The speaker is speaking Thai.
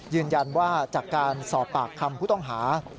ยืนยันว่าจากการสอบปากคำผู้ต้องหา